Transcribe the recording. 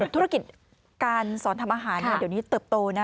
ธุรกิจการสอนทำอาหารเดี๋ยวนี้เติบโตนะ